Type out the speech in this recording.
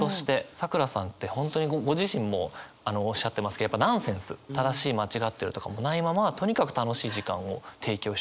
さくらさんって本当にご自身もおっしゃってますけどやっぱナンセンス正しい間違ってるとかもないままとにかく楽しい時間を提供してくれるっていう意味で。